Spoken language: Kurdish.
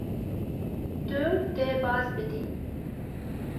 Tu dê baz bidî.